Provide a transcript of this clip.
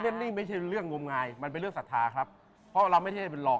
เพราะอันนี้ไม่ใช่เรื่องงงายมันเป็นเรื่องศาสนภาพครับเพราะเราไม่ใช่เป็นหลอก